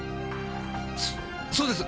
そそうです！